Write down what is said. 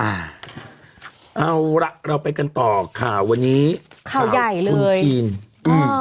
อ่าเอาล่ะเราไปกันต่อข่าววันนี้ข่าวใหญ่เลยคุณจีนอืม